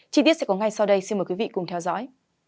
chi tiết sẽ có ngay sau đây xin mời quý vị cùng theo dõi